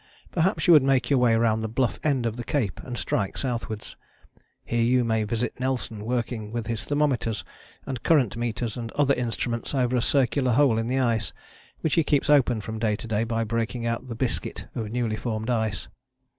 Perhaps you would make your way round the bluff end of the cape and strike southwards. Here you may visit Nelson working with his thermometers and current meters and other instruments over a circular hole in the ice, which he keeps open from day to day by breaking out the 'biscuit' of newly formed ice.